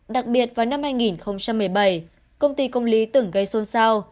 đặc biệt vào năm hai nghìn một mươi bảy công ty công lý tưởng gây xôn xao